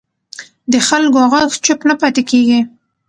د خلکو غږ چوپ نه پاتې کېږي